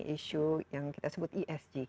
isu yang kita sebut esg